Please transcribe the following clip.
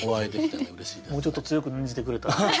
もうちょっと強く念じてくれたら。